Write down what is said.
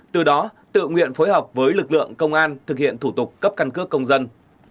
từ đó tự nguyện phối hợp với lực lượng công an thực hiện thủ tục cấp căn cước công dân